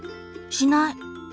しない。